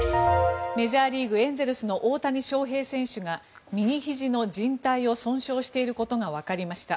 メジャーリーグ、エンゼルスの大谷翔平選手が右ひじのじん帯を損傷していることがわかりました。